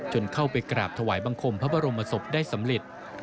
เข้าไปกราบถวายบังคมพระบรมศพได้สำเร็จ